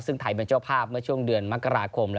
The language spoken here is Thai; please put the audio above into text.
ซึ่งไทยเป็นเจ้าภาพเมื่อช่วงเดือนมกราคม